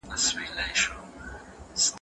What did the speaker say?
موږ باید د خپلې ژبې او دودونو ساتنه په نره وکړو.